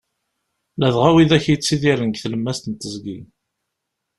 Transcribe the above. Ladɣa widak yettidiren deg tlemmast n teẓgi.